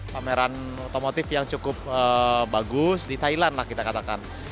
pameran otomotif yang cukup bagus di thailand lah kita katakan